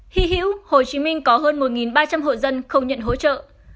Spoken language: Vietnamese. hy hữu hồ chí minh có hơn một ba trăm linh hộ dân không nhận hỗ trợ